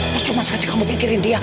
kalau cuma sekali kamu pikirin dia